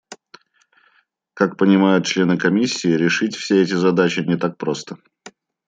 Как понимают члены Комиссии, решить все эти задачи не так просто.